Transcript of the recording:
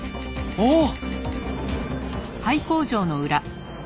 あっ！